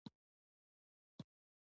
یوازې خوشاله اوسېدل مهم دي.